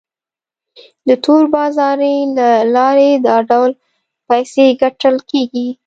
د تور بازارۍ له لارې دا ډول پیسې ګټل کیږي.